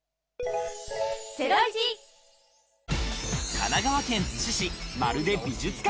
神奈川県逗子市、まるで美術館。